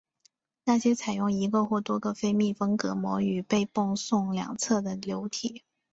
那些采用一个或多个非密封隔膜与被泵送两侧的流体。